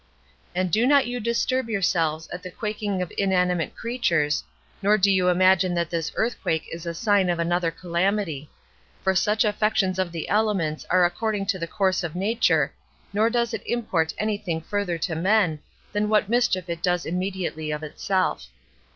And do not you disturb yourselves at the quaking of inanimate creatures, nor do you imagine that this earthquake is a sign of another calamity; for such affections of the elements are according to the course of nature, nor does it import any thing further to men, than what mischief it does immediately of itself.